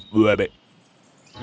dan mengambilkan bolamu lagi